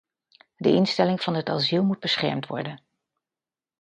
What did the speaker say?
De instelling van het asiel moet beschermd worden.